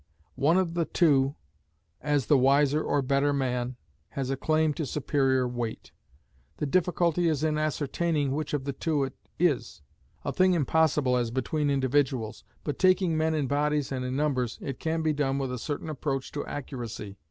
One of the two, as the wiser or better man, has a claim to superior weight: the difficulty is in ascertaining which of the two it is; a thing impossible as between individuals, but, taking men in bodies and in numbers, it can be done with a certain approach to accuracy.